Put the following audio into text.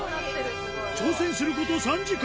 挑戦すること３時間。